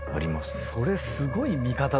それすごい見方だよね。